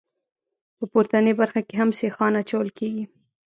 په پورتنۍ برخه کې هم سیخان اچول کیږي